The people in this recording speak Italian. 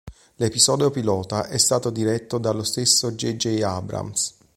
L'episodio pilota è stato diretto dallo stesso J. J. Abrams.